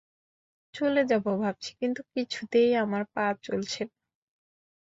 চলে যাব ভাবছি, কিন্তু কিছুতেই আমার পা চলছে না।